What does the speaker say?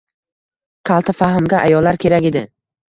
Kaltafahmga ayollar kerak edi